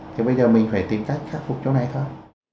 thì bây giờ mình phải tìm cách khắc phục chỗ này thôi